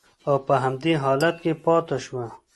او په همدې حالت کې پاتې شوه